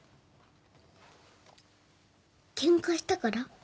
ケンカしたから？